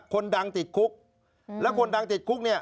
คนดังติดคุกแล้วคนดังติดคุกเนี่ย